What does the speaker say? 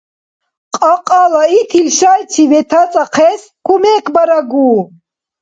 Кьакьала итил шайчи ветацӀахъес кумекбарагу.